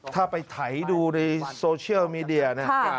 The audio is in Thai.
ถ้าไปไถดูในโซเชียลมีเดียเนี่ย